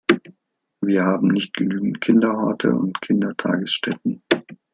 Wir haben nicht genügend Kinderhorte und Kindertagesstätten.